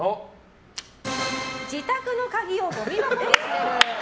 自宅の鍵をごみ箱に捨てる。